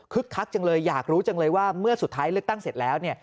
คักจังเลยอยากรู้จังเลยว่าเมื่อสุดท้ายเลือกตั้งเสร็จแล้วเนี่ย